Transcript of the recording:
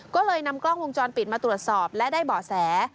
ก็เลยนำกล้องวงจรปิดมาตรวจสอบและได้เบาะแส